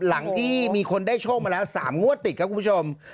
หลังที่มีคนได้โชคมาแล้ว๓งวดติดครับคุณผู้ชม